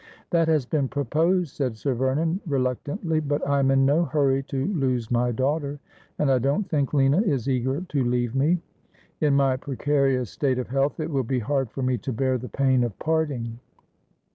' That has been proposed,' said Sir Vernon reluctantly, ' but I am in no hurry to lose my daughter, and I don't think Lina is eager to leave me. In my precarious state of health it will be hard for me to bear the pain of parting.'